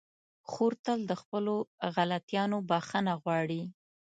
خور تل له خپلو غلطيانو بخښنه غواړي.